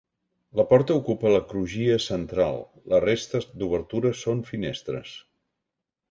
La porta ocupa la crugia central, la resta d'obertures són finestres.